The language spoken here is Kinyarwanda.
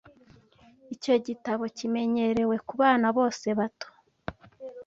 Icyo gitabo kimenyerewe kubana bose bato.